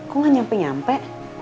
kok gak nyampe nyampe